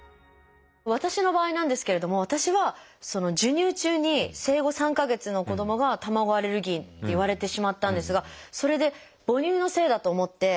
私の場合なんですけれども私は授乳中に生後３か月の子どもが卵アレルギーって言われてしまったんですがそれで母乳のせいだと思って。